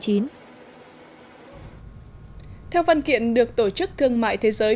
theo văn kiện được tổ chức thương mại thế giới